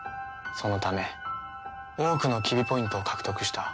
そのため多くのキビ・ポイントを獲得した。